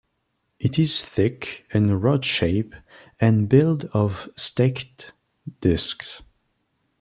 It is thick and rod-shaped and built of stacked disks.